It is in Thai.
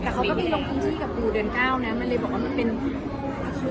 เค้ามาหลังลองภูมิชีกับตัวเงินก้าวนะ